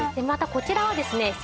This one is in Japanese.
またこちらはですね